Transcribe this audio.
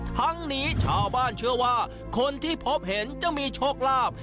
ทั้งนี้ชาวบ้านเชื่อว่าคนที่พบเห็นจะมีโชคลาภ